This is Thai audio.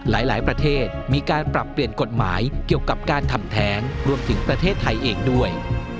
หลายประเทศมีการปรับเปลี่ยนกฎหมายเกี่ยวกับการทำแท้งรวมถึงประเทศไทยเองด้วย